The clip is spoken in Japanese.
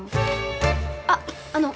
あっあの。